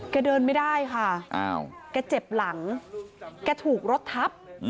เดินไม่ได้ค่ะแกเจ็บหลังแกถูกรถทับ